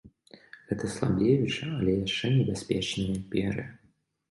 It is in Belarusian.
Гэта слабеючая, але яшчэ небяспечная імперыя.